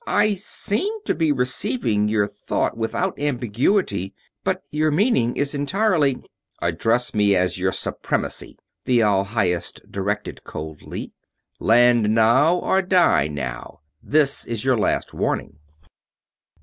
I seem to be receiving your thought without ambiguity, but your meaning is entirely...." "Address me as 'Your Supremacy'," the All Highest directed, coldly. "Land now or die now this is your last warning."